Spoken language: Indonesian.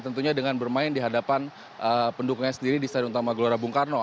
tentunya dengan bermain di hadapan pendukungnya sendiri di stadion utama gelora bung karno